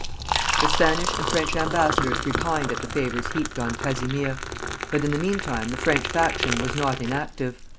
The Spanish and French ambassadors repined at the favors heaped on Casimir; but in the mean time the French faction was not inactive.